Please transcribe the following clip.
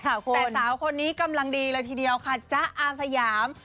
แต่สาวคนนี้กำลังดีเลยทีเดียวค่ะจ๊ะอาสยาม